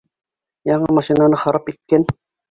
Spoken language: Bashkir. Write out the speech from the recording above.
Яңы машинаны харап иткән!